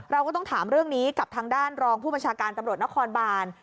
เราก็ต้องถามเรื่องนี้กับทางด้านรองผู้บัญชาการตำรวจนครบาน